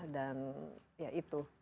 dan ya itu